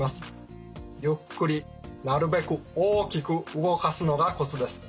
ゆっくりなるべく大きく動かすのがコツです。